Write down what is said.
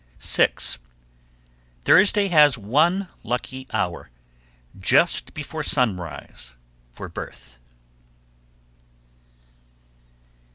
_ 6. Thursday has one lucky hour, just before sunrise, for birth.